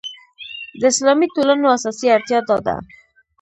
د اسلامي ټولنو اساسي اړتیا دا ده.